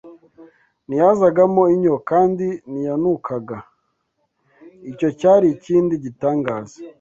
ntiyazagamo inyo kandi ntiyanukaga! Icyo cyari ikindi gitangaza!